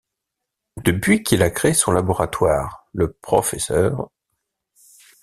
Depuis qu’il a créé son laboratoire, le Prof.